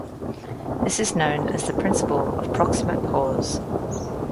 This is known as the principle of proximate cause.